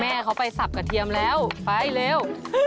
แม่เขาไปสับกระเทียมแล้วไปเร็ว